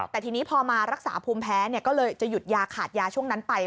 แต่ทีนี้พอมารักษาภูมิแพ้ก็เลยจะหยุดยาขาดยาช่วงนั้นไป